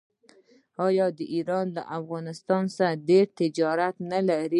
آیا ایران له افغانستان سره ډیر تجارت نلري؟